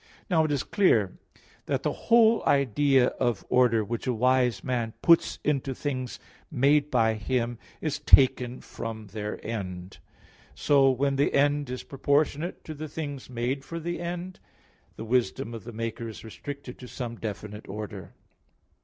Now it is clear that the whole idea of order which a wise man puts into things made by him is taken from their end. So, when the end is proportionate to the things made for that end, the wisdom of the maker is restricted to some definite order.